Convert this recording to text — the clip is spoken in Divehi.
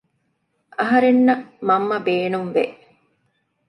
އަހަރެންނަށް މަންމަ ބޭނުންވެ